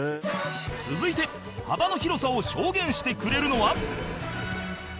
続いて幅の広さを証言してくれるのは